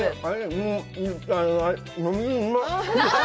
うまい！